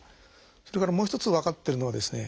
それからもう一つ分かってるのはですね